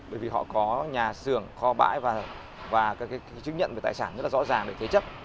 bởi vì họ có nhà xưởng kho bãi và các chứng nhận về tài sản rất là rõ ràng để thế chấp